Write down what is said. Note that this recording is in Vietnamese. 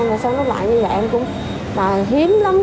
mà xong nó lại như vậy em cũng hiếm lắm